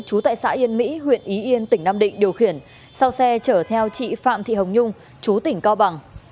chú tại xã yên mỹ huyện ý yên tỉnh nam định điều khiển sau xe chở theo chị phạm thị hồng nhung chú tỉnh cao bằng